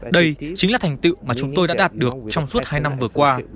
đây chính là thành tựu mà chúng tôi đã đạt được trong suốt hai năm vừa qua